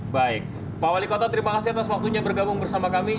baik pak wali kota terima kasih atas waktunya bergabung bersama kami